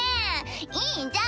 いいじゃん！